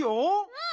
うん！